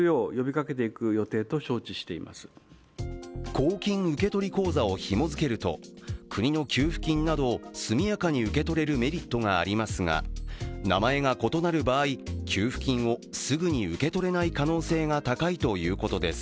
公金受取口座をひも付けると国の給付金などを速やかに受け取れるメリットがありますが名前が異なる場合、給付金をすぐに受け取れない可能性が高いということです。